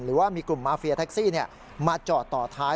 หรือว่ามีกลุ่มมาเฟียแท็กซี่มาจอดต่อท้าย